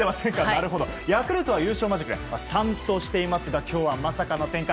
ヤクルトは優勝マジック３としていますが今日はまさかの展開。